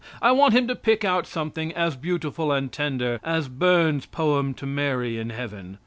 I want him to pick out something as beautiful and tender as Burns' poem to Mary in Heaven.